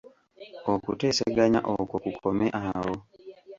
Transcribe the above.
Okuteeseganya okwo kukome awo.